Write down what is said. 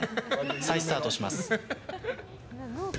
再スタートします。